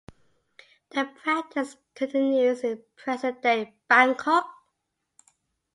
The practice continues in present-day Bangkok.